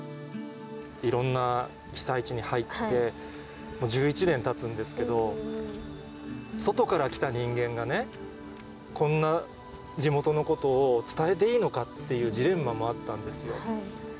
いろんな被災地に入って１１年たつんですけど、外から来た人間がね、こんな地元のことを伝えていいのかってジレンマもあったんですよ。